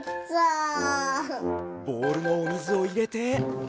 ボールのおみずをいれて。